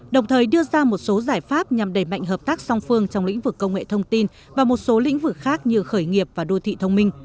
đồng thời đưa ra một số giải pháp nhằm đẩy mạnh hợp tác song phương trong lĩnh vực công nghệ thông tin và một số lĩnh vực khác như khởi nghiệp và đô thị thông minh